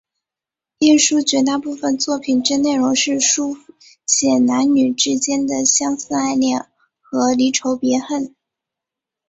晏殊绝大部分作品之内容是抒写男女之间的相思爱恋和离愁别恨。